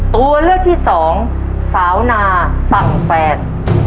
ตัวเลือกที่สองสาวนาฝั่งแฟน